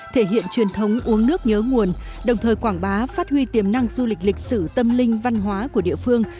thể hiện truyền thống uống nước nhớ nguồn đồng thời quảng bá phát huy tiềm năng du lịch lịch sử tâm linh văn hóa của địa phương